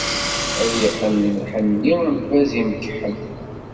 Ad yeqqen lḥenni, lbaz imkeḥḥel.